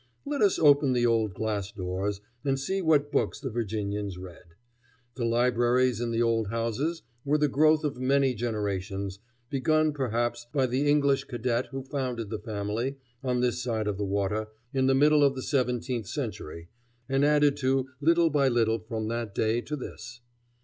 Let us open the old glass doors and see what books the Virginians read. The libraries in the old houses were the growth of many generations, begun perhaps by the English cadet who founded the family on this side of the water in the middle of the seventeenth century, and added to little by little from that day to this.